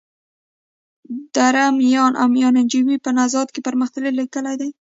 دره میان او ميانجوی په نوزاد کي پرمختللي کلي دي.